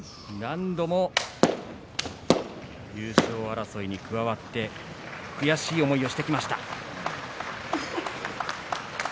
何度も優勝争いに加わって悔しい思いをしてきました。